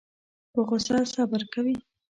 په غوسه صبر کوي.